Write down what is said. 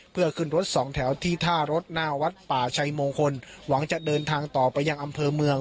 เพื่อขึ้นรถสองแถวที่ท่ารถหน้าวัดป่าชัยมงคลหวังจะเดินทางต่อไปยังอำเภอเมือง